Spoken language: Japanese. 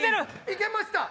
行けました！